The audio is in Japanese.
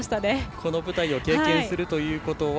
この舞台を経験するということは。